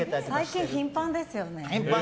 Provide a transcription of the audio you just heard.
最近、頻繁ですよね。